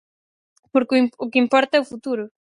Porque o que importa é o futuro.